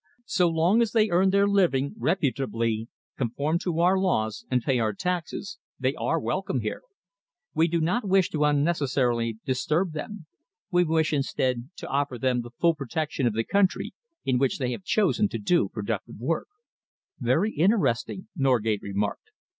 So long as they earn their living reputably, conform to our laws, and pay our taxes, they are welcome here. We do not wish to unnecessarily disturb them. We wish instead to offer them the full protection of the country in which they have chosen to do productive work." "Very interesting," Norgate remarked.